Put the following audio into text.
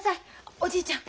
おじいちゃん！